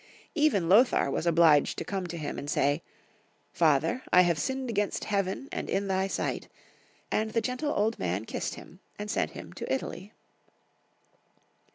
Even Lothar was obliged to come to him and say, " Father, I have sinned against heaven and in thy sight," and the gentle old man kissed him, and sent him to Italy.